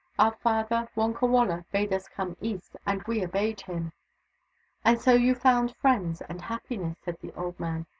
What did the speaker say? Our father, Wonkawala, bade us come east, and we obeyed him." " And so you found friends and happiness," said the old man.